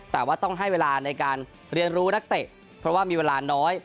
แต่ว่าต้องให้เวลาในการเรียนรู้นักเตะเพราะว่ามีเวลาน้อย